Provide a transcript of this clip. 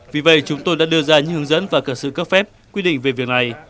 vì vậy chúng tôi đã đưa ra những hướng dẫn và cả sự cấp phép quy định về việc này